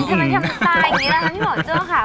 อือทำไมทำสตายังงี้แล้วนะพี่หมอโจ้ข่าว